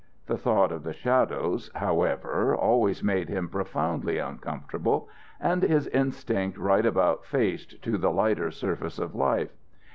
The thought of the shadows, however, always made him profoundly uncomfortable, and his instinct right about faced to the lighter surface of life.